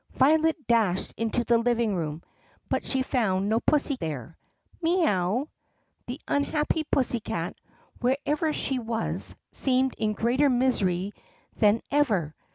Violet dashed into the living room, but she found no pussy there. "MEE OW!" The unhappy pussycat, wherever she was, seemed in greater misery than ever.